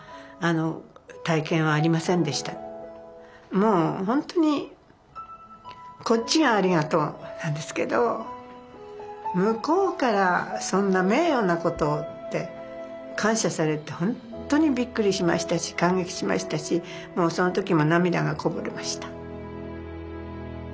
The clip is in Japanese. もう本当にこっちがありがとうなんですけど向こうからそんな名誉なことをって感謝されるって本当にびっくりしましたし感激しましたしもうその時も涙がこぼれました。